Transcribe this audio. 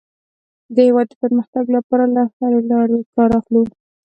د هېواد د پرمختګ لپاره له هرې لارې کار اخلو.